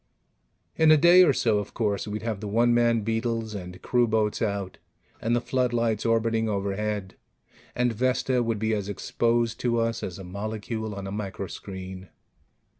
In a day or so, of course, we'd have the one man beetles and crewboats out, and the floodlights orbiting overhead, and Vesta would be as exposed to us as a molecule on a microscreen.